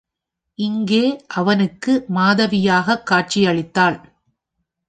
இங்கே அவனுக்கு மாதவியாகக் காட்சி அளித்தாள்.